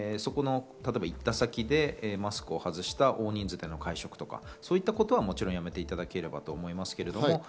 行った先でマスクを外した大人数での会食とか、そういったことは、もちろんやめていただければと思います。